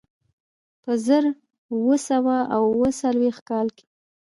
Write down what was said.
په زر اووه سوه اوه څلوېښت کال کې.